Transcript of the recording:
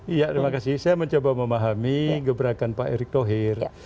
iya terima kasih saya mencoba memahami gebrakan pak erick thohir